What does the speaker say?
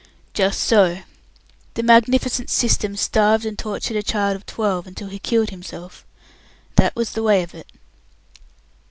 Just so! The magnificent system starved and tortured a child of twelve until he killed himself. That was the way of it.